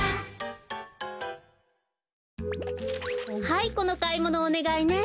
はいこのかいものおねがいね。